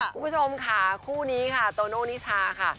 คุณผู้ชมค่ะคู่นี้ค่ะโตโน่นิชาค่ะ